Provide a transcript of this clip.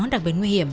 đặc biệt nguy hiểm